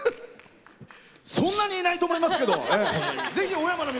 そんなにいないと思いますけど。